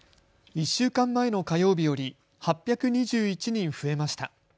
１週間前の火曜日より８２１人増えました。